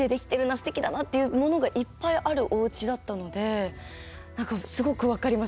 すてきだなっていうものがいっぱいあるおうちだったのですごく分かります。